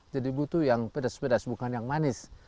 jadi butuh yang pedas pedas bukan yang manis